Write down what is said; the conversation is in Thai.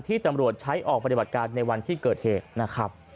ตำรวจใช้ออกปฏิบัติการในวันที่เกิดเหตุนะครับ